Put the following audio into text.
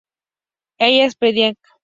ellas predican